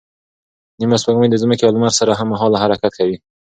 نیمه سپوږمۍ د ځمکې او لمر سره هممهاله حرکت کوي.